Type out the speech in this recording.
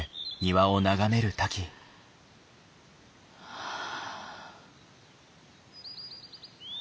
はあ。